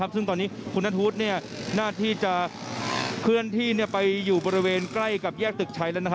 ซึ่งตอนนี้คุณนัทธวุฒิหน้าที่จะเคลื่อนที่ไปอยู่บริเวณใกล้กับแยกตึกชัยแล้ว